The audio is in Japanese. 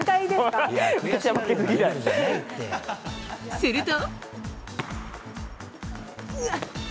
すると。